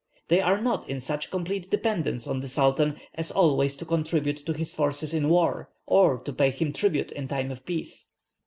They are not in such complete dependence on the Sultan as always to contribute to his forces in war, or to pay him tribute in time of peace."